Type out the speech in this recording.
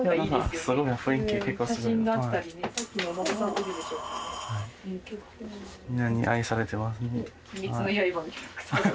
みんなに愛されてますね。